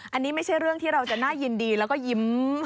อันนี้ไม่ใช่เรื่องที่เราจะน่ายินดีแล้วก็ยิ้ม